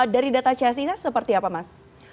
dari data csis seperti apa mas